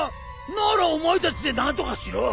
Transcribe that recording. ならお前たちで何とかしろ！